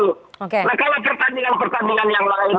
nah kalau pertandingan pertandingan yang lain